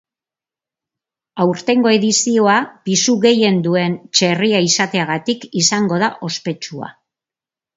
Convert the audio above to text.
Aurtengo edizioa pisu gehien duen txerria izateagatik izango da ospetsua.